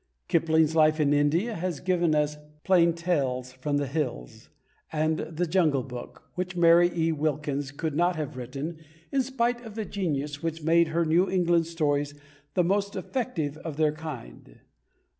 Kipling's life in India has given us Plain Tales from the Hills and The Jungle Book, which Mary E. Wilkins could not have written in spite of the genius which made her New England stories the most effective of their kind.